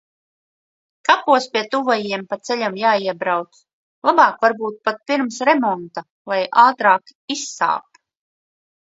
Kapos pie tuvajiem pa ceļam jāiebrauc. Labāk varbūt pat pirms remonta, lai ātrāk izsāp.